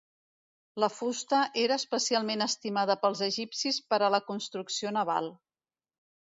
La fusta era especialment estimada pels egipcis per a la construcció naval.